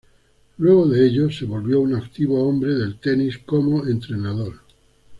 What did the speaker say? Luego de ello se volvió un activo hombre del tenis como entrenador.